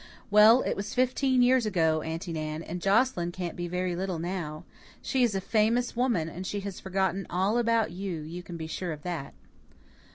"Well, it was fifteen years ago, Aunty Nan, and Joscelyn can't be very 'little' now. She is a famous woman, and she has forgotten all about you, you can be sure of that."